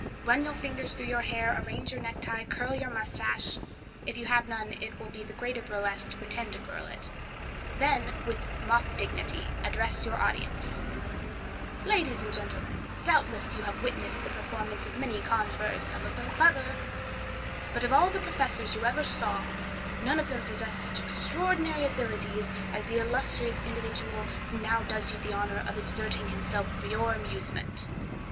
run your fingers through your hair, arrange your necktie, curl your moustache—if you have none it will be the greater burlesque to pretend to curl it—and then, with mock dignity, address your audience: "Ladies and gentlemen, doubtless you have witnessed the performance of many conjurors, some of them clever; but of all the professors you ever saw, none of them ever possessed such extraordinary abilities as the illustrious individual who now does you the honor of exerting himself for your amusement.